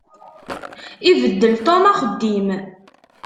Ibeddel Tom axeddim.